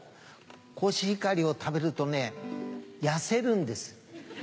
コシヒカリを食べるとね痩せるんです。